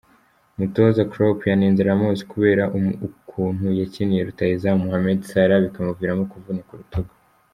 Umutoza Klopp yanenze Ramos kubera ukuntu yakiniye rutahizamu Mohamed Salah bikamuviramo kuvunika urutugu.